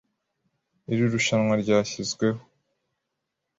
Iri rushanwa ryashyizweho .